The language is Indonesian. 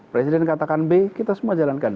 presiden mengatakan b kita semua jalankan b